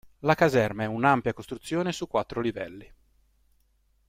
La caserma è un'ampia costruzione su quattro livelli.